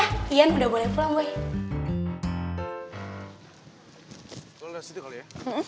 iya iyan udah boleh pulang gue